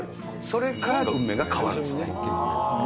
それから運命が変わるんですね。